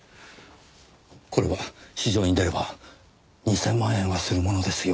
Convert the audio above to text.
これは市場に出れば２０００万円はするものですよ。